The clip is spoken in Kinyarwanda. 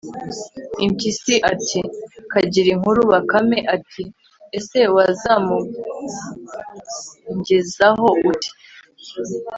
impyisi ati 'kagire inkuru bakame. iti 'ese wazamungezaho ute